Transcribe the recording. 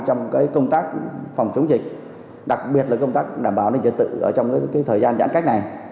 trong công tác phòng chống dịch đặc biệt là công tác đảm bảo nhân dân tự trong thời gian giãn cách này